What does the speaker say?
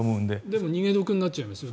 でも逃げ得になっちゃいますよ。